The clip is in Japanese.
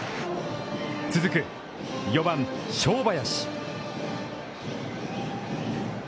続く４番、正林。